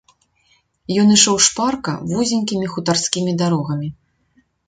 Ён ішоў шпарка вузенькімі хутарскімі дарогамі.